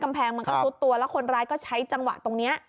แพงมันก็ซุดตัวแล้วคนร้ายก็ใช้จังหวะตรงนี้